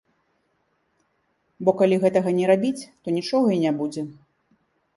Бо калі гэтага не рабіць, то нічога і не будзе.